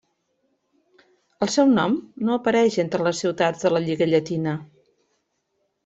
El seu nom no apareix entre les ciutats de la Lliga Llatina.